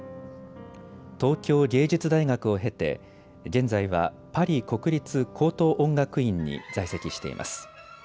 東京藝術大学を経て現在はパリ国立高等音楽院に在籍しています。